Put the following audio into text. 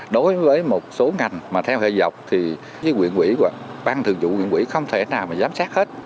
đối với một số ngành mà theo hệ dọc thì cái quyện quỹ và ban thường vụ quyện quỹ không thể nào mà giám sát hết